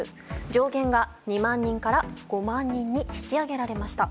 上限が２万人から５万人に引き上げられました。